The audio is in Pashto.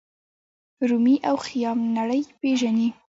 رومي او خیام نړۍ پیژني.